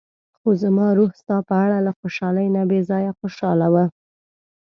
خو زما روح ستا په اړه له خوشحالۍ نه بې ځايه خوشاله و.